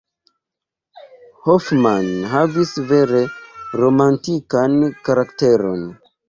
Hoffmann havis vere romantikan karakteron.